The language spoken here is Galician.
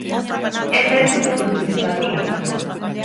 É certo que produce empatía.